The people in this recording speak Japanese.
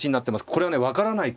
これはね分からない